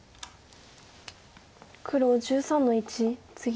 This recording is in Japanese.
黒１３の一ツギ。